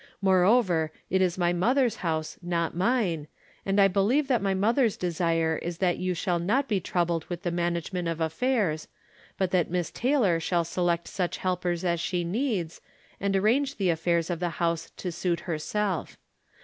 Moreover, it is my mother's house, not mine, and I believe that my mother's desire is that you shall not be troubled with the management of affairs, but that Miss Taylor shall select such helpers as she needs, and ar range the affairs of the house to suit herself.